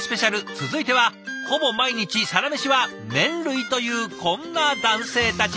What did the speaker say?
続いてはほぼ毎日サラメシは麺類というこんな男性たち。